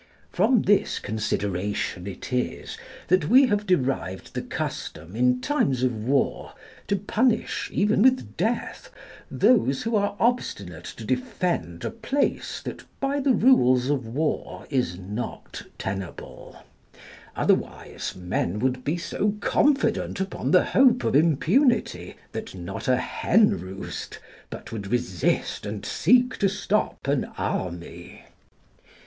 From this consideration it is that we have derived the custom, in times of war, to punish, even with death, those who are obstinate to defend a place that by the rules of war is not tenable; otherwise men would be so confident upon the hope of impunity, that not a henroost but would resist and seek to stop an army.